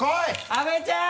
阿部ちゃん！